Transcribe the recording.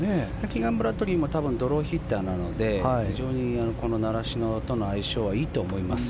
キーガン・ブラッドリーもドローヒッターなので非常にこの習志野との相性はいいと思います。